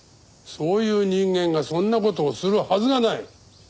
そういう人間がそんな事をするはずがない。